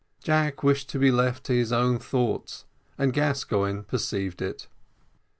Jack wished to be left to his own thoughts, and Gascoigne perceived it.